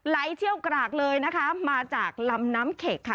เชี่ยวกรากเลยนะคะมาจากลำน้ำเข็กค่ะ